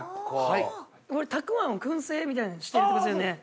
これたくあんを燻製みたいにしてやってますよね。